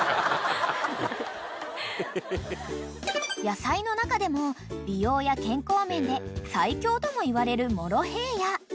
［野菜の中でも美容や健康面で最強ともいわれるモロヘイヤ］